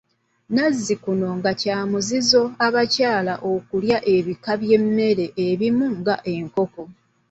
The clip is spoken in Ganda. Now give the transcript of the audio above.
Nazzikuno nga kya muzizo abakyala okulya ebika by'emmere ebimu nga enkoko.